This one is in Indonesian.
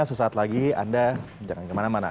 sesaat lagi anda jangan kemana mana